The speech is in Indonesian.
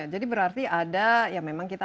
jadi berarti ada ya memang kita